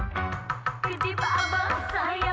tariknya nggak ada